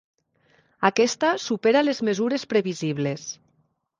Aquesta supera les mesures previsibles.